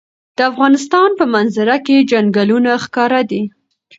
د افغانستان په منظره کې چنګلونه ښکاره ده.